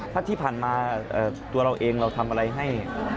ถ้าที่ผ่านมาตัวเราเองเราทำอะไรให้